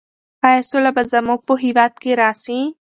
ایا سوله به زموږ په هېواد کې راسي؟